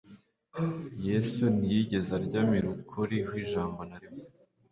Yesu ntiyigezaryamirukuri hw ijambo na rimwe